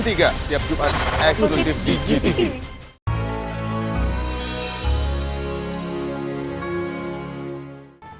tiap jumat eksklusif di gtv